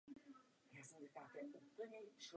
Představuje jednu z významných oblastí skalního lezení.